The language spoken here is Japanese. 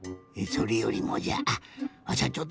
それよりもじゃわしゃ